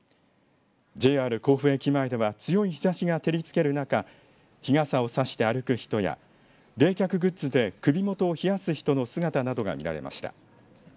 ＪＲ甲府駅前では強い日ざしが照りつける中日傘を差して歩く人や冷却グッズで首元を冷やす人などの姿が見られました。